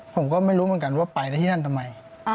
ผมก็ไม่รู้เหมือนกันว่าไปได้ที่นั่นทำไม